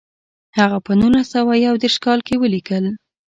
هغه په نولس سوه یو دېرش کال کې ولیکل.